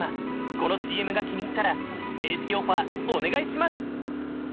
このＣＭが気に入ったら正式オファーお願いします